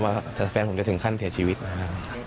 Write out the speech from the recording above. ว่าแฟนผมจะถึงขั้นเสียชีวิตนะครับ